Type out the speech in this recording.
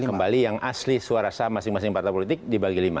kembali yang asli suara sah masing masing partai politik dibagi lima